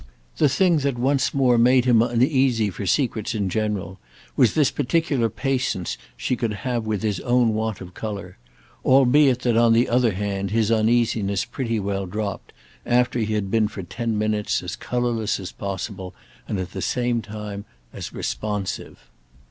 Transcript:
The thing that, once more, made him uneasy for secrets in general was this particular patience she could have with his own want of colour; albeit that on the other hand his uneasiness pretty well dropped after he had been for ten minutes as colourless as possible and at the same time as responsive.